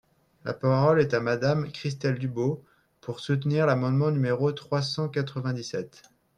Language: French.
La parole est à Madame Christelle Dubos, pour soutenir l’amendement numéro trois cent quatre-vingt-dix-sept.